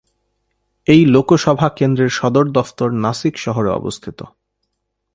এই লোকসভা কেন্দ্রের সদর দফতর নাসিক শহরে অবস্থিত।